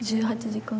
１８時間？